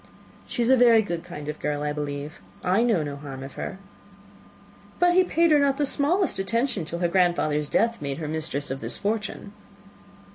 "She is a very good kind of girl, I believe. I know no harm of her." "But he paid her not the smallest attention till her grandfather's death made her mistress of this fortune?"